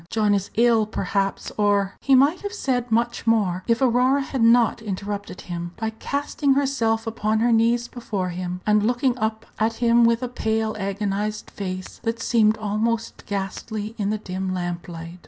John is ill, perhaps, or " He might have said much more if Aurora had not interrupted him by casting herself upon her knees before him, and looking up at him with a pale, agonized face, that seemed almost ghastly in the dim lamplight.